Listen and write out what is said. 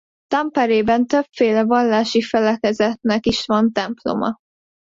Tamperében többféle vallási felekezetnek is van temploma.